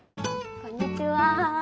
こんにちは。